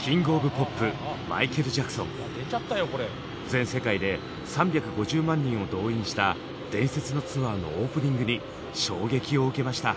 全世界で３５０万人を動員した伝説のツアーのオープニングに衝撃を受けました。